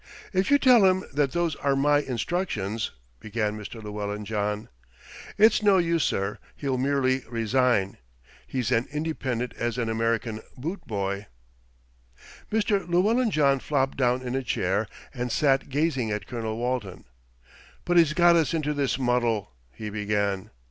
"If you tell him that those are my instructions " began Mr. Llewellyn John. "It's no use, sir, he'll merely resign. He's as independent as an American boot boy." Mr. Llewellyn John flopped down in a chair, and sat gazing at Colonel Walton. "But he's got us into this muddle," he began.